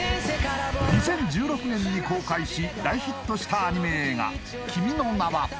２０１６年に公開し大ヒットしたアニメ映画「君の名は。」